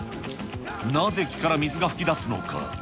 なぜ木から水が噴き出すのか。